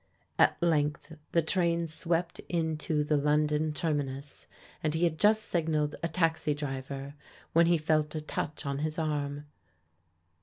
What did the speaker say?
At length the train swept into the London terminus, and he had just signalled a taxi driver when he felt a touch on his arm.